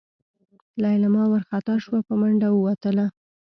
لېلما وارخطا شوه په منډه ووتله.